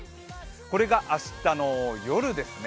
これが明日の夜ですね。